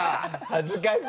恥ずかしい。